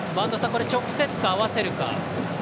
これ、直接か合わせるか。